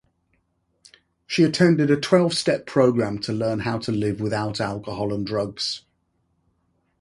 She attended a Twelve-step program to learn how to live without alcohol and drugs.